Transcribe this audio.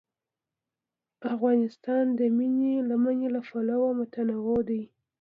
افغانستان د منی له پلوه متنوع دی.